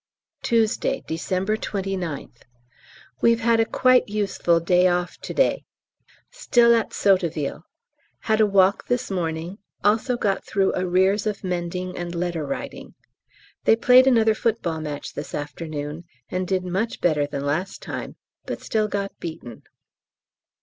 Tuesday, December 29th. We've had a quite useful day off to day. Still at Sotteville; had a walk this morning, also got through arrears of mending and letter writing. They played another football match this afternoon, and did much better than last time, but still got beaten.